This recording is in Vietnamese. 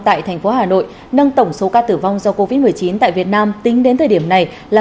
tại thành phố hà nội nâng tổng số ca tử vong do covid một mươi chín tại việt nam tính đến thời điểm này là